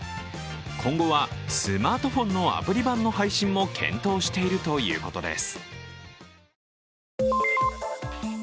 今後はスマートフォンのアプリ版の配信も検討しているということです。